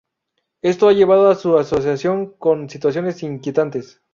Esto ha llevado a su asociación con situaciones inquietantes.